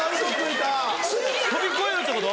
跳び越えるってこと？